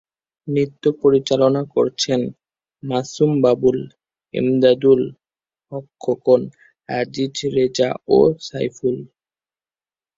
নৃত্য পরিচালনা করেছেন মাসুম বাবুল, ইমদাদুল হক খোকন, আজিজ রেজা ও সাইফুল।